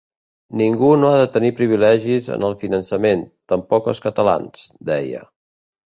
“Ningú no ha de tenir privilegis en el finançament, tampoc els catalans”, deia.